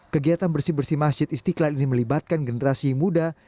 kegiatan bersih bersih masjid istiqlal ini melibatkan generasi muda